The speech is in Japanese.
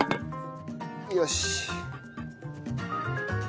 よし！